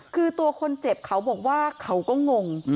คือตัวคนเจ็บเขาบอกว่าเขาก็งง